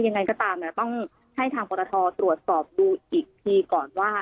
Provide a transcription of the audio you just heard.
ยังไงก็ตามต้องให้ทางปรทตรวจสอบดูอีกทีก่อนว่า